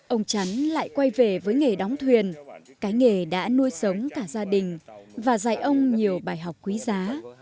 ông chắn lại quay về với nghề đóng thuyền cái nghề đã nuôi sống cả gia đình và dạy ông nhiều bài học quý giá